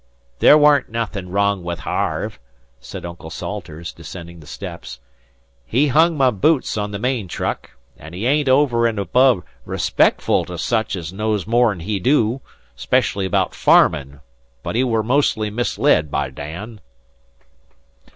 "There weren't nothin' wrong with Harve," said Uncle Salters, descending the steps. "He hung my boots on the main truck, and he ain't over an' above respectful to such as knows more'n he do, specially about farmin'; but he were mostly misled by Dan."